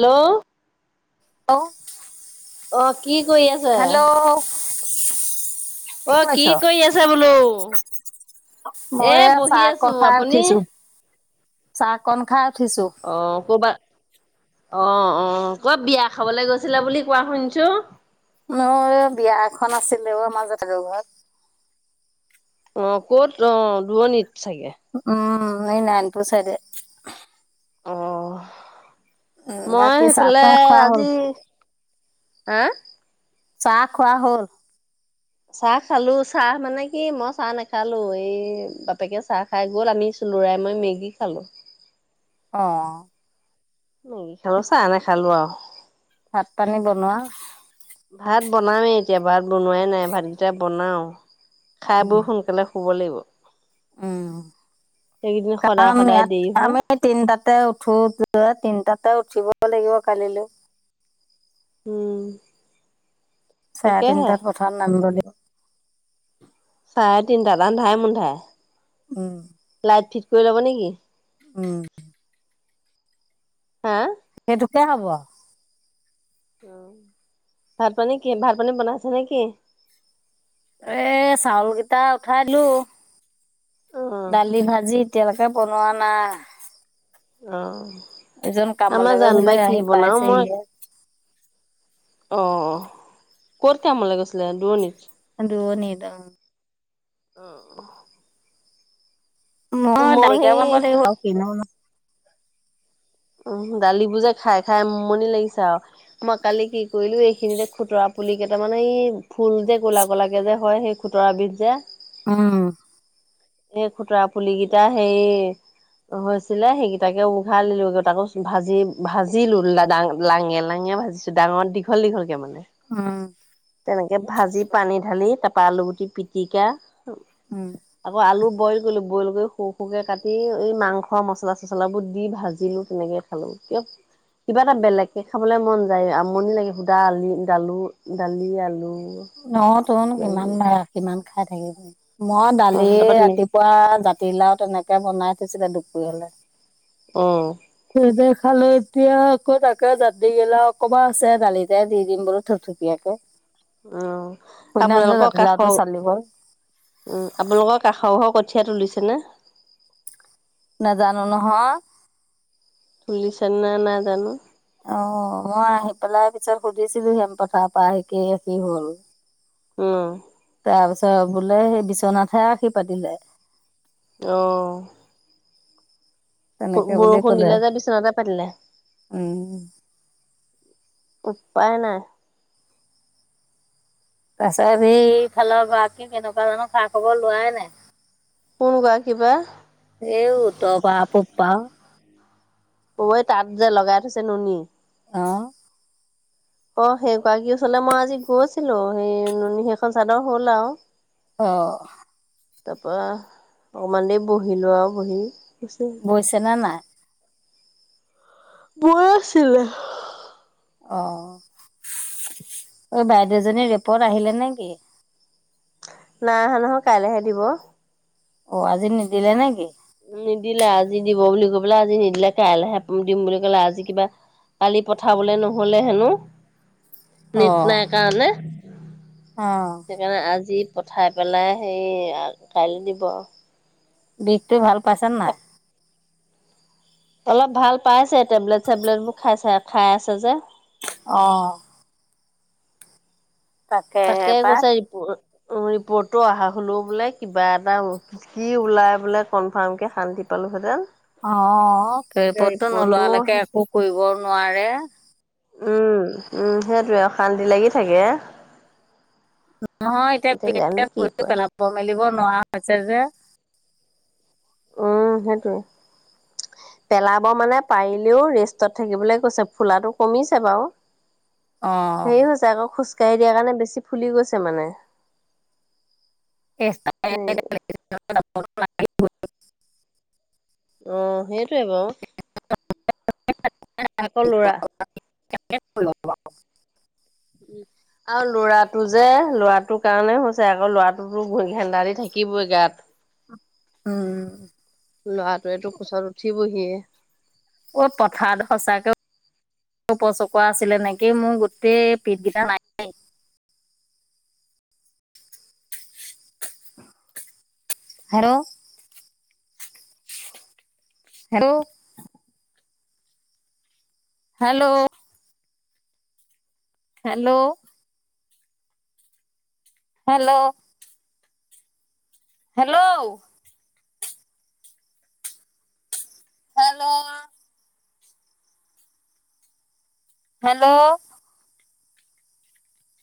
Hello! অ'! অ'! কি কৰি আছে? হেল্ল'! অ'! কি কৰি আছা, বোলোঁ? মই এয়া, চাহ আছো অকণ খাই আপুনি? উঠিছোঁ, চাহ কণ খাই উঠিছোঁ। অ'! ক'ৰবাত অ' অ'! ক'ত বিয়া খাবলৈ গৈছিলে, বুলি কোৱা শুনিছোঁ? অ'! এইয়া, বিয়া এখন আছিলে অ'! আমাৰ জেঠাইকৰ ঘৰত। অ'! ক'ত, অ'! দুৰণিত চাগে? অ'! সেই, নাৰায়ণপুৰ চাইডে। অ'! উম মই বাকী চাহ সেইফালে, তাহ খোৱা আজি হ'ল? হা? চাহ খোৱা হ'ল? চাহ খালোঁ। চাহ মানে কি, মই চাহ নাখালোঁ। এই, বাপেকে চাহ খাই গ'ল, আমি চুনুৰাই মই মেগী খালোঁ। অ' অ'! মেগী খালোঁ, চাহ নেখালোঁ আৰু। ভাত-পানী বনোৱা? ভাত বনামেই এতিয়া, ভাত বনোৱাই নাই। ভাতকেইটা বনাও, উম খাই-বই সোনকালে শুব লাগিব। উম। এইকেইদিন সদায়-সদায় দেৰি হয়। এ, তিনটাতে উঠোঁ, তিনটাতে উঠিব লাগিব, কালিলৈ। উম! চাৰে তাকেহে তিনটাত পথাৰত নামিব লাগিব। চাৰে তিনটাত আন্ধাৰে- মোন্ধাৰে? উম! লাইট ঠিক কৰি ল'ব নেকি উম হা সেইটোকে হ'ব উম ভাত পানী কি ভাত পানী বনাইছা নে কি এ চাউল কেইটা উঠাই দিলো অ দালি ভাজি এতিয়ালৈকে বনোৱা নাই অ এজন কামলৈ আমাৰ জান গৈছিলে বাই আহি কি বনাও মই পাইছেহিহে অ অ ক'ত কামলে গৈছিলে দূৰণিত দূৰণিত অ অহ মই দালিকে বনাব লাগিব আও কিনো উম দালিবোৰ যে খাই খাই উমনি লাগিছে আও মই কালি কি কৰিলোঁ এইখিনিতে খুতুৰা পুলিকেইটা মানে এই ফুল যে ক'লা ক'লাকে যে হয় সেই খুতৰা বীজ জা উম এই খুতুৰা পুলি কেইটা সেই হৈছিলে সেইকেইটাকে উঘালি দিলো গে তাকো ভাজি ভাজিলো লাদাঙ লাঙে লাঙে ভাজি ডাঙৰ দীঘল দীঘল কে মানে উম তেনেকে ভাজি পানী ঢালি তাপা আলু গুটি পিটিকা উম আকৌ আলু বইল কৰিলো বইল কৰি সৰু সৰুকে কাটি এই মাংস মছলা চচলাবোৰ দি ভাজিলো তেনেকে খালো কিয় কিবা এটা বেলেগকে খাবলে মন যায় আমনি লাগে সুদা আলি দালু দালি আলু ন তুন কিবা কিমান কিবি ভড়া কিমান খাই থাকিবি মই অ দালিয়ে তাৰপৰা তেনেকে ৰাতিপুৱা জাতি তি লাও তেনেকে বনাই থৈছিলে দুপৰীয়া লে অ সেইটোৱে খালো এতিয়া আকৌ তাকে জাতি গিলাও অকমান আছে দালিতে দি দিম বোৰো থো থো ইয়াকে অ আপোনালোকৰ জাতিলাওটো কাষৰ চালি গ'ল উম আপোনালোকৰ কাষৰ ঘৰ কঠীয়া তুলিছেনে নাজানো নহয় তুলিছে নে নাই নাজানো অ মই আহি পেলাই পিছত সুধিছিলো হেম পথাৰ পৰা আহি কিহে কি হ'ল উম তাৰপিছত বোলে সেই বিশ্বনাথে আশীৰ পাতিলে অ তেনেকে বুলি বৰষুণ কলে দিলে যে বিচনাতে পাতিলে উম উপায় নাই ৰাস্তাত সেই ফালৰ গৰাকী কেনেকুৱা ধৰণৰ খা খবৰ লোৱাই নাই ফোন কৰা কিবা এইওঁ ত বা পপা [unintelligible] ঐ তাত যে লগাই থৈছে নুনী অ অ সেইগৰাকীৰ ওচৰলে মই আজি গৈছিলো সেই নুনি সেইখন চাদৰ হ'ল আও অ তাপা অকণমান দেৰি বহিলো আও বহি আছেই বৈছে নে নাই বৈ আছিলে অ এই বাইদেউজনী ৰেপত আহিলে নেকি নাই আহা নহয় কাইলেহে দিব অ আজি নিদিলে নেকি নিদিলে আজি দিব বুলি কৈ পালে আজি নিদিলে কাইলে দিম বুলি ক'লে আজি কিবা কালি পঠাবলে নহলে হেনো অ নেট নাই কাৰণে অ সেইকাৰণে আজি পঠাই পেলাই হেৰি কাইলে দিব বিষটো ভাল পাইছা নে নাই অলপ ভাল পাইছে টেবলেট চেবলেট বোৰ খাইছে খাই আছে যে অ তাকেহে তাকে পাই কৈছে ৰিপ ৰিপৰ্টটো আহা হলৌ বোলে কিবা এটা কি ওলাই বোলে কনফাৰ্ম কে শান্তি পালোহেঁতেন অ ৰিপৰ্টটো নোলোৱালেকে একো কৰিবও নোৱাৰে উম উম সেইটোৱে অশান্তি লাগি থাকে নহয় এতিয়া জানো কি [unintelligible] কয় পেলাব মেলিব নোৱাৰা হৈছে যে অঁ সেইটো পেলাব মানে পাৰিলেও ৰেষ্টত থাকিবলে গৈছে ফুলাটো কমিছে বাৰু অ'। হেৰি হৈছে আকৌ খোজকাঢ়ি দিয়াৰ কাৰণে বেছি ফুলি গৈছে মানে [unintelligible] হেই অ সেইটোৱে বাও আকৌ লৰা [unintelligible] উম আৰু লৰাটো যে লৰাটোৰ কাৰণে হৈছে আকৌ লৰাটোতো ভইত হেন্দা দি থাকিবই গাত উম ল'ৰাটোৱেতো কোচত উঠিবহিয়ে অ পথাৰত সচাকে উপচকোৱা আছিলে নেকি মোৰ গোটেই পিঠ কেইটা নাই hello hello hello hello hello hello hello hello